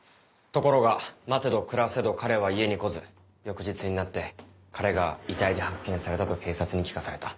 ところが待てど暮らせど彼は家に来ず翌日になって彼が遺体で発見されたと警察に聞かされた。